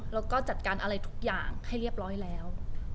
แล้วก็จัดการอะไรทุกอย่างให้เรียบร้อยแล้ว